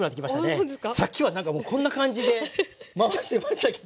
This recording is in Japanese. あそうですか？さっきは何かもうこんな感じで回してましたけど。